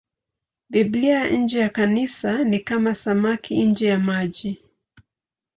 Biblia nje ya Kanisa ni kama samaki nje ya maji.